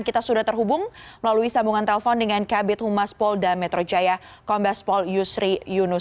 kita sudah terhubung melalui sambungan telpon dengan kabit humas polda metro jaya kombes pol yusri yunus